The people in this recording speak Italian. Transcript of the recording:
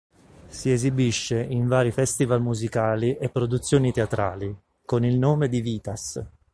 Si esibisce in vari festival musicali e produzioni teatrali, con il nome di Vitas.